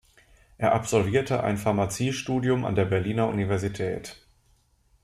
Er absolvierte ein Pharmaziestudium an der Berliner Universität.